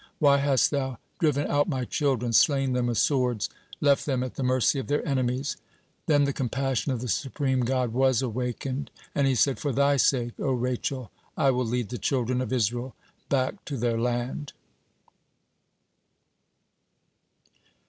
Why hast Thou driven out my children, slain them with swords, left them at the mercy of their enemies?" Then the compassion of the Supreme God was awakened, and He said: "For thy sake, O Rachel, I will lead the children of Israel back to their land."